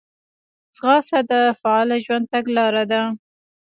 ځغاسته د فعاله ژوند تګلاره ده